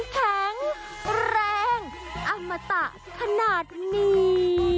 แข็งแรงอมตะขนาดนี้